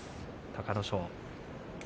隆の勝。